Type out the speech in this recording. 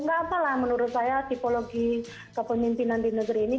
nggak apalah menurut saya tipologi kepemimpinan di negeri ini